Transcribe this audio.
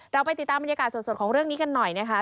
เราไปติดตามบรรยากาศสดของเรื่องนี้กันหน่อยนะคะ